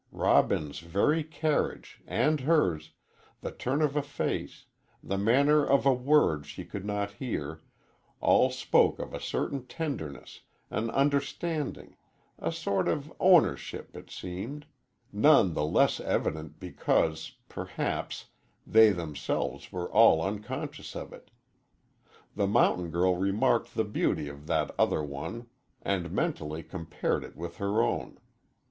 Robin's very carriage and hers the turn of a face, the manner of a word she could not hear, all spoke of a certain tenderness, an understanding, a sort of ownership, it seemed none the less evident because, perhaps, they themselves were all unconscious of it. The mountain girl remarked the beauty of that other one and mentally compared it with her own.